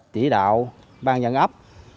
chỉ đạo bang dân ấp